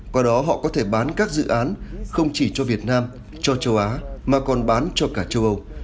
qua đó họ có thể bán các dự án không chỉ cho việt nam cho châu á mà còn bán cho cả châu âu